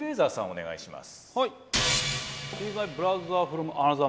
お願いします。